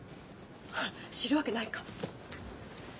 あ知るわけないか。